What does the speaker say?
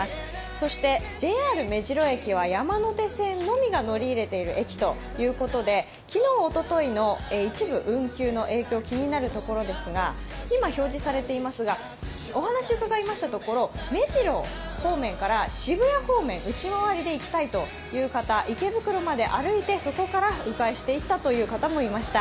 そしてＪＲ目白駅は山手線のみが乗り入れている駅ということで、昨日、おとといの一部運休の影響気になるところですが、今、表示されていますが、お話伺いましたところ目白方面から渋谷方面、内回りで行きたいという方、池袋まで歩いてそこまで迂回して行ったという方もいました。